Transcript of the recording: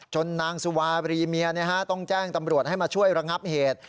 นางสุวารีเมียต้องแจ้งตำรวจให้มาช่วยระงับเหตุ